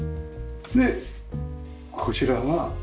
でこちらが。